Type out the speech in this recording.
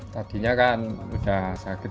tadinya kan sudah sakit